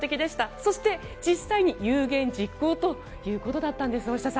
そして、実際に有言実行ということだったんです。